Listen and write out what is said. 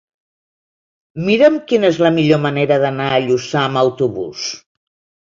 Mira'm quina és la millor manera d'anar a Lluçà amb autobús.